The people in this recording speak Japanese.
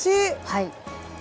はい。